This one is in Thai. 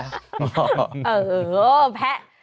เออแพะ